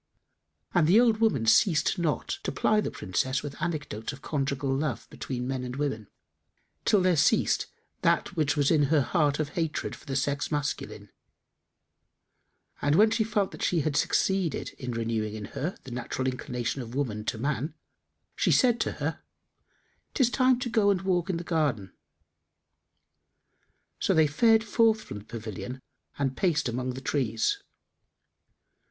And the old woman ceased not to ply the Princess with anecdotes of conjugal love between men and women, till there ceased that which was in her heart of hatred for the sex masculine; and when she felt that she had succeeded in renewing in her the natural inclination of woman to man, she said to her, "'Tis time to go and walk in the garden." So they fared forth from the pavilion and paced among the trees.